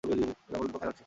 মীরা বললেন, কোথায় যাচ্ছ?